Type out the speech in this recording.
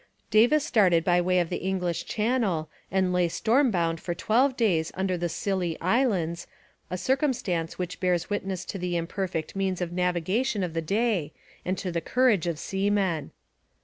Davis started by way of the English Channel and lay storm bound for twelve days under the Scilly Islands, a circumstance which bears witness to the imperfect means of navigation of the day and to the courage of seamen.